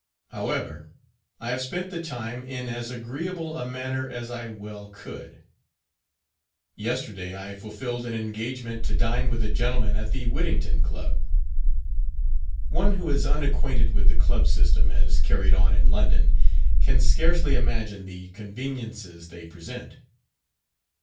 However, I have spent the time in as agreeable a manner as I well could. Yesterday I fulfilled an engagement to dine with a gentleman at the Whittington Club. One who is unacquainted with the Club system as carried on in London, can scarcely imagine the conveniences they present.